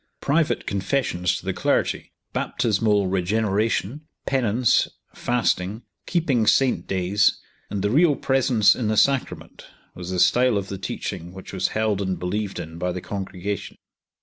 Private confessions to the clergy, baptismal regeneration, penance, fasting, keeping Saint days, and the real Presence in the Sacrament was the style of the teaching which was held and believed in by the congregation.